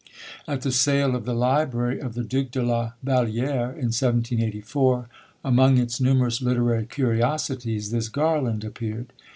At the sale of the library of the Duke de la Vallière, in 1784, among its numerous literary curiosities this garland appeared.